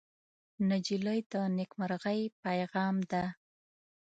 نجلۍ د نیکمرغۍ پېغام ده.